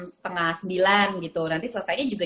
setengah sembilan gitu nanti selesainya juga